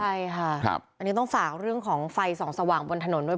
ใช่ค่ะอันนี้ต้องฝากเรื่องของไฟส่องสว่างบนถนนด้วย